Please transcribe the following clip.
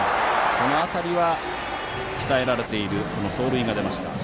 この辺りは鍛えられている走塁が出ました。